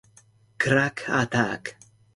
Crack Attack!